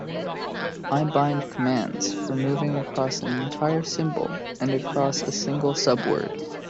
I bind commands for moving across an entire symbol and across a single subword.